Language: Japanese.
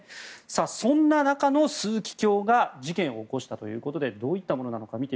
そんな中の枢機卿が事件を起こしたということでどういったものなのか。